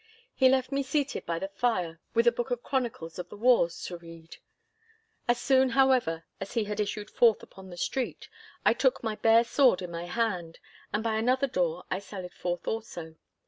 He left me seated by the fire with a book of chronicles of the wars to read. As soon, however, as he had issued forth upon the street, I took my bare sword in my hand, and by another door I sallied forth also.